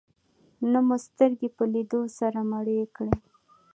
نه مو سترګې په لیدو سره مړې کړې.